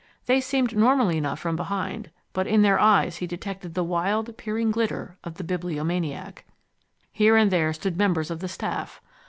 They seemed normal enough from behind, but in their eyes he detected the wild, peering glitter of the bibliomaniac. Here and there stood members of the staff.